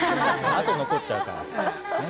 痕が残っちゃうから。